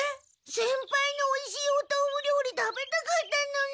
先輩のおいしいおとうふ料理食べたかったのに！